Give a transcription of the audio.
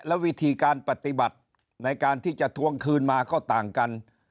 แล้ววิธีการปฏิบัติในการที่จะทวงคืนมาก็ต่างกัน